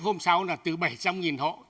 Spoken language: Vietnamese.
hôm sau là từ bảy trăm linh hộ